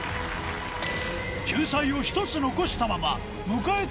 救済を１つ残したまま迎えた